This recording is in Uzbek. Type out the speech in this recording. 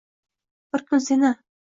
Bir kun seni